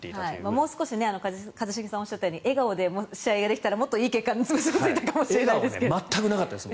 もう少し一茂さんがおっしゃったように笑顔で試合ができたらもっといい結果になってたかもしれないですが。